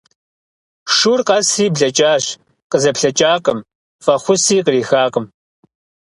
Шур къэсри блэкӏащ, къызэплъэкӏакъым, фӏэхъуси кърихакъым.